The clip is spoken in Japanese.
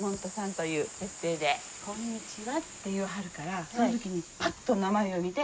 「こんにちは」って言わはるからその時にパッと名前を見て。